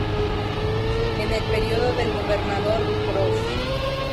En el período del Gobernador Prof.